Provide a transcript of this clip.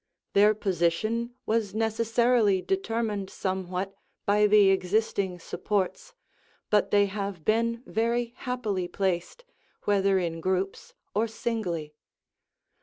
Their position was necessarily determined somewhat by the existing supports, but they have been very happily placed, whether in groups or singly.